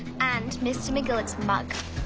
ああ。